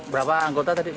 berapa anggota tadi